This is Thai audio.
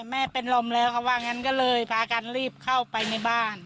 แม่เป็นลมแล้วเขาว่างั้นก็เลยพากันรีบเข้าไปในบ้าน